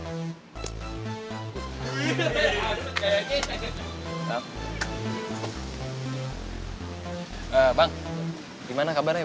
alhamdulillah gue baik baik gimana kabarnya